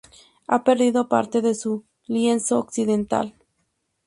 Ha perdido parte de su lienzo occidental.